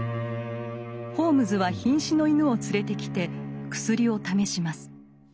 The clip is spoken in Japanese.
ホームズはひん死の犬を連れてきて薬を試します。